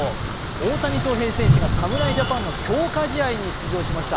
大谷翔平選手が侍ジャパンの強化試合に出場しました。